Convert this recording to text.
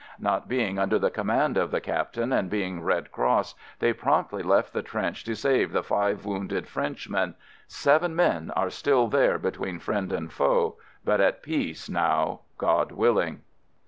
Not being under the command of the cap tain, and being Red Cross, they promptly left the trench to save the five wounded Frenchmen — Seven men are still there between friend and foe, — but at peace now, God willing.